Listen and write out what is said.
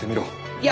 いや！